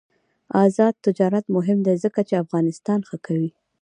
آزاد تجارت مهم دی ځکه چې افغانستان ښه کوي.